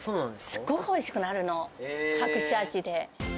すっごいおいしくなるの、隠し味で。